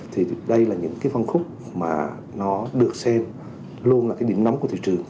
thì đây là những phân khúc mà nó được xem luôn là điểm nóng của thị trường